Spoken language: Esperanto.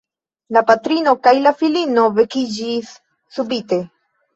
La patrino kaj la filino vekiĝis subite.